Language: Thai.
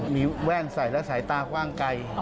มีแว่นใส่และสายตากว้างไกล